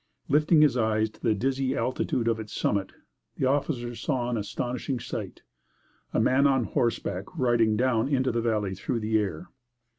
Lifting his eyes to the dizzy altitude of its summit, the officer saw an astonishing sight a man on horseback riding down into the valley through the air!